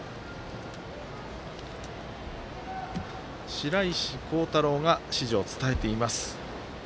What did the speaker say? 白石航太郎が指示を伝えています。